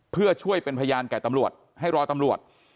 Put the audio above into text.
เพื่อช่วยเป็นพยานแก่ตำรวจให้รอตำรวจ